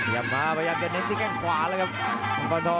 ยังมาพยายามจะเน็ตที่แก้งกว่าแล้วครับ